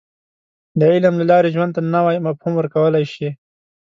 • د علم له لارې، ژوند ته نوی مفهوم ورکولی شې.